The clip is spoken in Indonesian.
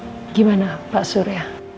terus gimana pak surya